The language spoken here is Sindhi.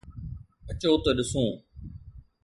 اچو ته ڏسون